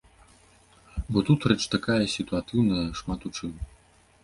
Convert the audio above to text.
Бо тут рэч такая сітуатыўная шмат у чым.